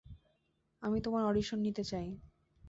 আমি তোমার অডিশন নিতে চাই।